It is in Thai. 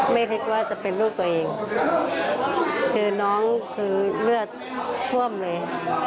ไม่คิดว่าจะเป็นลูกตัวเองเจอน้องคือเลือดท่วมเลย